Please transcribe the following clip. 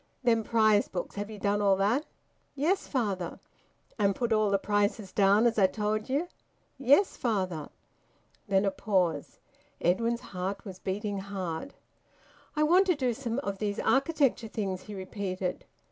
"Them prize books have ye done all that?" "Yes, father." "And put all the prices down, as I told ye?" "Yes, father." Then a pause. Edwin's heart was beating hard. "I want to do some of these architecture things," he repeated.